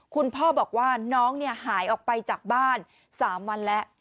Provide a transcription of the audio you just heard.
คุณพ่อบอกว่าน้องหายออกไปจากบ้าน๓วันแล้ว